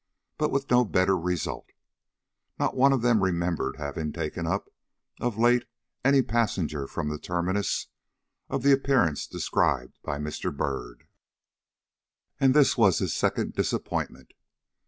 But with no better result. Not one of them remembered having taken up, of late, any passenger from the terminus, of the appearance described by Mr. Byrd. And this was his second disappointment.